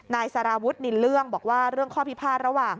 สารวุฒินินเรื่องบอกว่าเรื่องข้อพิพาทระหว่าง